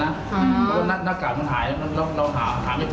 หน้ากากมันหายเรามาหาหาไม่เจอแต่สำหรับคนว่าหาน้ากากก็ไม่เจอ